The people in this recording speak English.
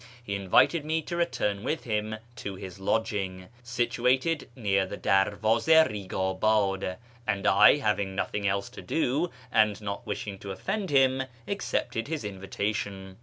He invited me to return with him to his lodging, situated near the Derwaze i Ei'gabad, and I, having nothing else to do, and not wishing to offend him, accepted his invitation.